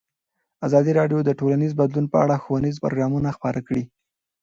ازادي راډیو د ټولنیز بدلون په اړه ښوونیز پروګرامونه خپاره کړي.